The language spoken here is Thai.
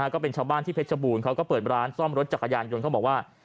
ก็เป็นชาวบ้านที่เพชรบูรณ์เขาก็เปิดร้านซ่อมรถจักรยานยนต์เขาบอกว่า